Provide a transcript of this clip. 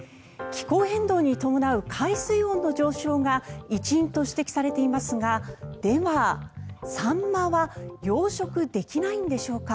気候変動に伴う海水温の上昇が一因と指摘されていますがでは、サンマは養殖できないのでしょうか。